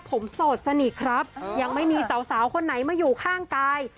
ผมโสดสนิทครับยังไม่มีสาวคนไหนมาอยู่ข้างกาย